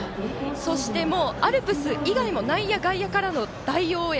そして、アルプス以外も内野、外野からの大応援。